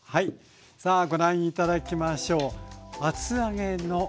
さあご覧頂きましょう。